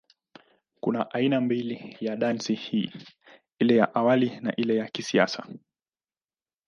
Kuna aina mbili ya dansi hii, ile ya awali na ya hii ya kisasa.